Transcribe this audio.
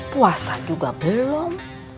puasa juga belum